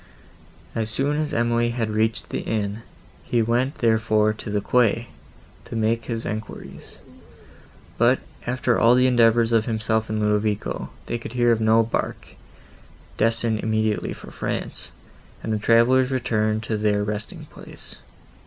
As soon as Emily had reached the inn, he went therefore to the quay, to make his enquiries; but, after all the endeavours of himself and Ludovico, they could hear of no bark, destined immediately for France, and the travellers returned to their resting place.